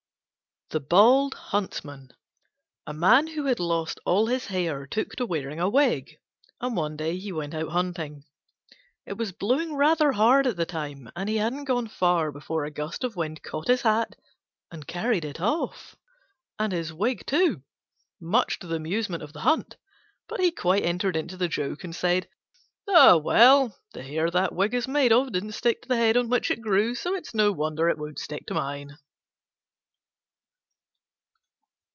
THE BALD HUNTSMAN A Man who had lost all his hair took to wearing a wig, and one day he went out hunting. It was blowing rather hard at the time, and he hadn't gone far before a gust of wind caught his hat and carried it off, and his wig too, much to the amusement of the hunt. But he quite entered into the joke, and said, "Ah, well! the hair that wig is made of didn't stick to the head on which it grew; so it's no wonder it won't stick to mine."